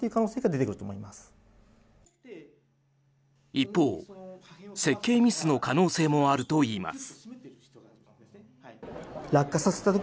一方、設計ミスの可能性もあるといいます。